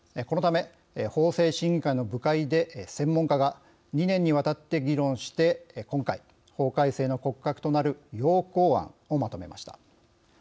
このため法制審議会の部会で専門家が、２年にわたって議論し今回、法改正の骨格となる要綱案をまとめました。